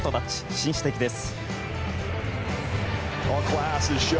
紳士的です。